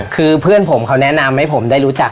คือเพื่อนผมเขาแนะนำให้ผมได้รู้จัก